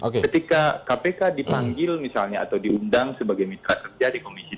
ketika kpk dipanggil misalnya atau diundang sebagai mitra kerja di komisi tiga